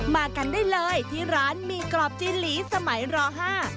มากันได้เลยที่ร้านหมี่กรอบจีนหลีสมัยรห้า